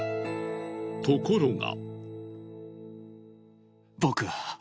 ところが。